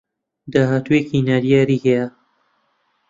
داهاتوویێکی نادیاری هەیە